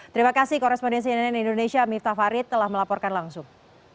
terima kasih korespondensi nn indonesia miftah farid telah melaporkan langsung